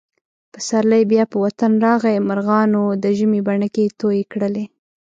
پسرلی بیا په وطن راغی. مرغانو د ژمي بڼکې تویې کړلې.